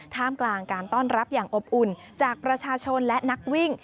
ท่ามกลางการต้อนรับอย่างอบอุ่นจากประชาชนและนักวิ่ง